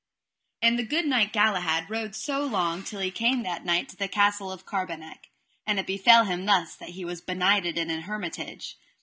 And the good knight, Galahad, rode so long till he came that night to the Castle of Carboneck; and it befell him thus that he was benighted in an hermitage.